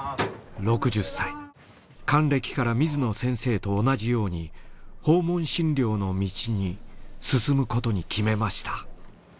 ６０歳還暦から水野先生と同じように訪問診療の道に進む事に決めました。